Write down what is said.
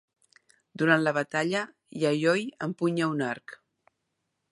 Durant la batalla, Yayoi empunya un arc.